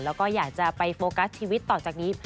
แล้วก็อยากจะไปโฟกัสชีวิตต่อจากนี้